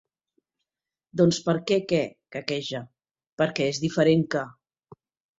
Doncs perquè que —quequeja—, perquè que és diferent que.